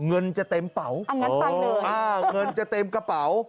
เงินจะเต็มเป๋าอันนั้นไปเลยอ่าเงินจะเต็มกระเป๋า